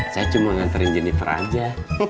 saya cuma nganterin jennifer aja